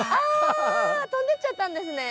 あ飛んでっちゃったんですね。